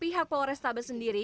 pihak polrestabes sendiri